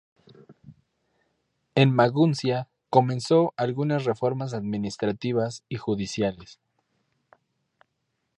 En Maguncia, comenzó algunas reformas administrativas y judiciales.